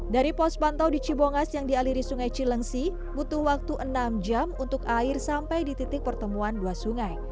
dari pos pantau di cibongas yang dialiri sungai cilengsi butuh waktu enam jam untuk air sampai di titik pertemuan dua sungai